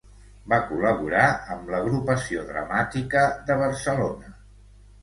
Va col·laborar amb l'Agrupació Dramàtica de Barcelona.